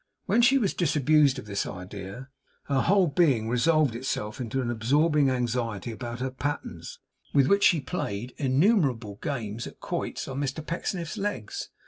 When she was disabused of this idea, her whole being resolved itself into an absorbing anxiety about her pattens, with which she played innumerable games at quoits on Mr Pecksniff's legs.